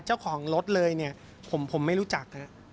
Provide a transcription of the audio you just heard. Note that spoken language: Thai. เจ้าของรถเลยเนี่ยผมไม่รู้จัก